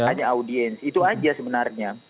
hanya audiens itu aja sebenarnya